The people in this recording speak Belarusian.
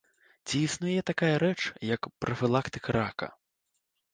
Ці існуе такая рэч, як прафілактыка рака?